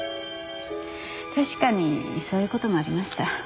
確かにそういう事もありました。